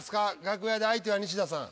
「楽屋」で相手は西田さん。